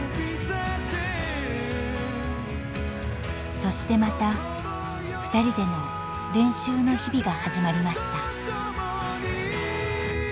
そしてまたふたりでの練習の日々が始まりました。